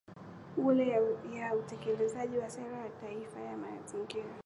Ule ya utekelezaji wa Sera ya Taifa ya Mazingira